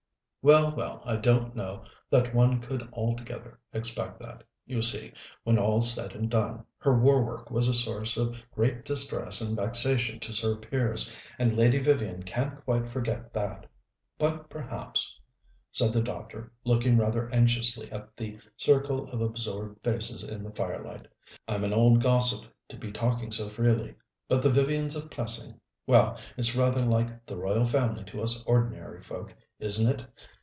"Well, well, I don't know that one could altogether expect that. You see, when all's said and done, her war work was a source of great distress and vexation to Sir Piers, and Lady Vivian can't quite forget that. But perhaps," said the doctor, looking rather anxiously at the circle of absorbed faces in the firelight, "I'm an old gossip to be talking so freely. But the Vivians of Plessing well, it's rather like the Royal Family to us ordinary folk, isn't it?